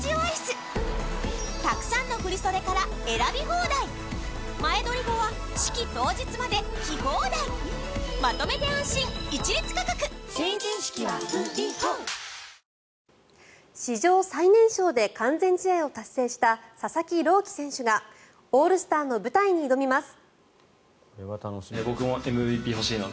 ボートには２人が乗っていましたが史上最年少で完全試合を達成した佐々木朗希選手がオールスターの舞台に挑みます。